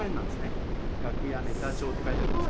楽屋ネタ帳って書いてあります。